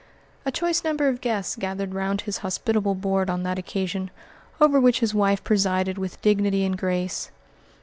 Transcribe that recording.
A choice number of guests gathered round his hospitable board on that occasion, over which his wife presided with dignity and grace.